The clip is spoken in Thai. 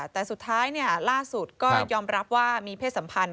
แต่สุดท้ายล่าสุดก็ยอมรับว่ามีเพศสัมพันธ